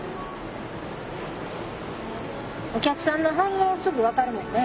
お客さんの反応すぐ分かるもんね。